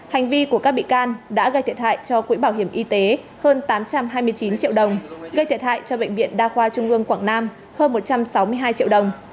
hành vi của các bị can đã gây thiệt hại cho quỹ bảo hiểm y tế hơn tám trăm hai mươi chín triệu đồng gây thiệt hại cho bệnh viện đa khoa trung ương quảng nam hơn một trăm sáu mươi hai triệu đồng